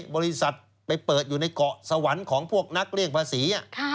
บริษัทไปเปิดอยู่ในเกาะสวรรค์ของพวกนักเลี่ยงภาษี